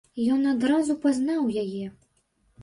Ён адразу пазнаў яе.